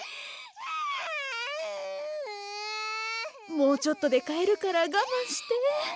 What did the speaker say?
もうちょっとでかえるからがまんして。